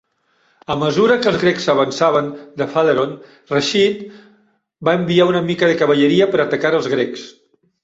A mesura que els grecs avançaven de Phaleron, Reshid va enviar una mica de cavalleria per atacar els grecs.